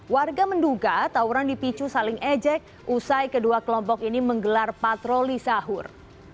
warga menduga tawuran dipicu saling ejek usai kedua kelompok ini menggelar patroli sahur